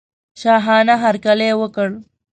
شاهانه هرکلی وکړ.